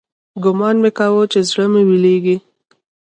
ګومان مې کاوه چې زړه مې ويلېږي.